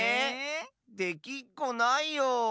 できっこないよ。